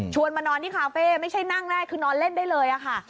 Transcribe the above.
มานอนที่คาเฟ่ไม่ใช่นั่งแรกคือนอนเล่นได้เลยค่ะ